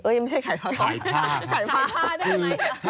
เอ๊ยไม่ใช่ขายผ้าค่ะขายผ้าได้ไหมค่ะค่ะค่ะค่ะค่ะ